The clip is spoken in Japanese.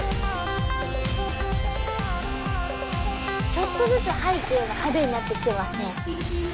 ちょっとずつ背景が派手になってきてますね。